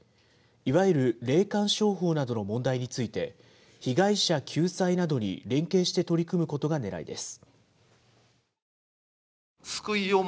いわゆる霊感商法などの問題について、被害者救済などに連携して取り組むことがねらいです。